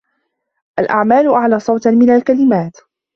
الأعمال أعلى صوتاً من الكلمات.